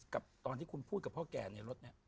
กับตอนที่คุณพูดกับพ่อแก่ในรถเนี่ย